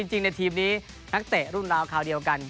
จริงในทีมนี้นักเตะรุ่นราวคราวเดียวกัน